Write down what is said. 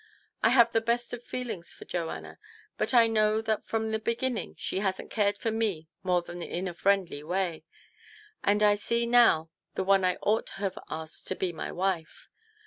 I have the best of feelings for Joanna, but I know that from the beginning she hasn't cared for me more than in a friendly way ; and I see DOW the one I ought to have asked to be my wife.